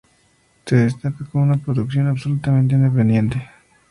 Se destaca con una producción absolutamente independiente.